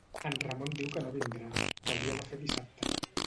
En Ramon diu que no vindrà, que avui ha de fer dissabte.